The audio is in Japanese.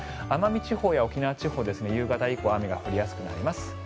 奄美地方や沖縄地方は夕方以降雨が降りやすくなります。